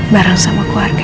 bareng sama keluarga